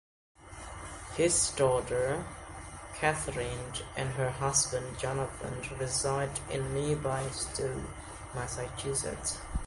His daughter, Catherine, and her husband Jonathan, reside in nearby Stow, Massachusetts.